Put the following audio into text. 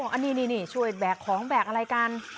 อันนี้ช่วยแบกของแบกอะไรกัน